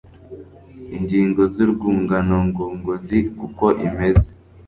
ingingo z’urwungano ngogozi; kuko imeze